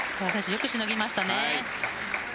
よく、しのぎました。